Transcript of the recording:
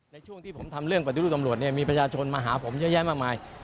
ในช่วงที่ผมทำเรื่องปฏิรูปตำรวจเนี่ยมีประชาชนมาหาผมเยอะแยะมากมาย